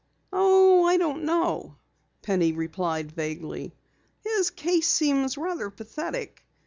"Oh, I don't know," Penny replied vaguely. "His case seems rather pathetic.